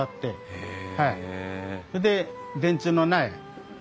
へえ。